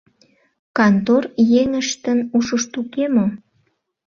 Кантор еҥыштын ушышт уке мо?